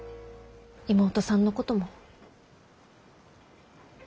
妹さんのことも。